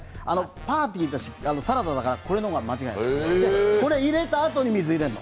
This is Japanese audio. パーティーのサラダはこれの方が間違いない、これを入れたあとに水を入れるの。